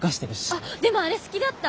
あっでもあれ好きだった。